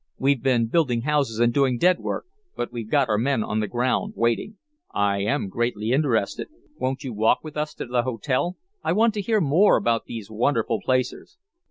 We've been building houses and doing dead work, but we've got our men on the ground, waiting." "I am greatly interested. Won't you walk with us to the hotel? I want to hear more about these wonderful placers."